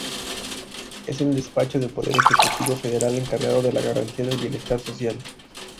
Es el despacho del poder ejecutivo federal encargado de la garantía del bienestar social.